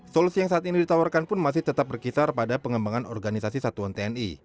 solusi yang saat ini ditawarkan pun masih tetap berkisar pada pengembangan organisasi satuan tni